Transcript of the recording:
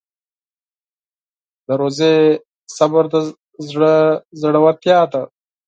د روژې صبر د زړه زړورتیا ده.